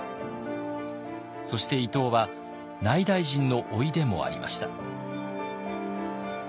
そして伊東は内大臣の甥でもありました。